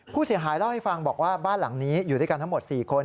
ผู้เสียหายเล่าให้ฟังบอกว่าบ้านหลังนี้อยู่ด้วยกันทั้งหมด๔คน